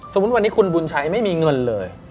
วันนี้คุณบุญชัยไม่มีเงินเลย